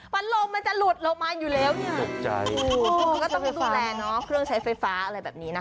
ฟันลมมันจะหลุดลงมาอยู่แล้วเนี่ยก็ต้องดูแลเนอะเครื่องใช้ไฟฟ้าอะไรแบบนี้นะคะ